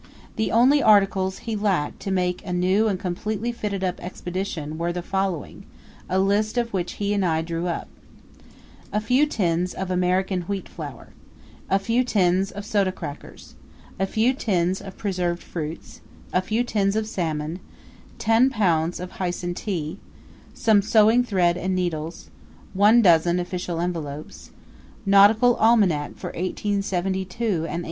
The only articles he lacked to make a new and completely fitted up expedition were the following, a list of which he and I drew up; A few tins of American wheat flour. "" soda crackers. "" preserved fruits A few tins of salmon, 10 lbs. Hyson tea. Some sewing thread and needles. 1 dozen official envelopes. 'Nautical Almanac' for 1872 and 1873.